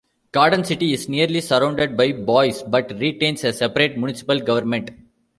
Garden City is nearly surrounded by Boise but retains a separate municipal government.